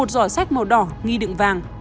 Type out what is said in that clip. một giỏ sách màu đỏ nghi đựng vàng